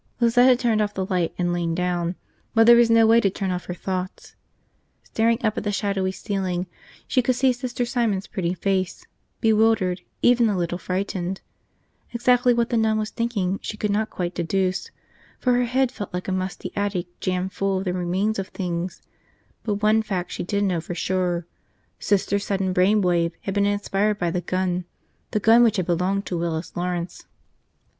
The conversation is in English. Lizette had turned off the light and lain down, but there was no way to turn off her thoughts. Staring up at the shadowy ceiling, she could see Sister Simon's pretty face, bewildered, even a little frightened. Exactly what the nun was thinking she could not quite deduce, for her head felt like a musty attic jammed full of the remains of things; but one fact she did know for sure: Sister's sudden brain wave had been inspired by the gun. The gun which had belonged to Willis Lawrence.